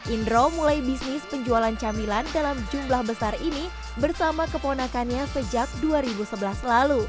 indro mulai bisnis penjualan camilan dalam jumlah besar ini bersama keponakannya sejak dua ribu sebelas lalu